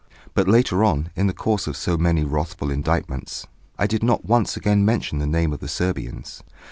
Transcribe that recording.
But later on, in the course of so many wrathful indictments, I did not once again mention the name of the Serbians.